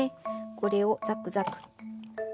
これをザクザク。